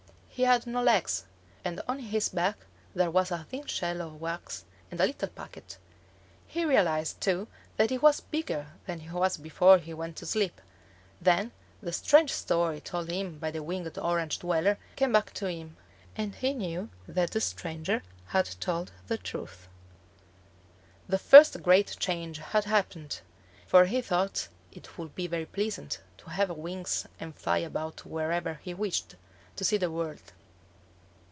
He had no legs; and on his back there was a thin shell of wax and a little packet. He realized, too, that he was bigger than he was before he went to sleep. Then the strange story told him by the winged Orange dweller came back to him, and he knew that the stranger had told the truth. The first great change had happened. He was delighted, for he thought it would be very pleasant to have wings and fly about wherever he wished, to see the world.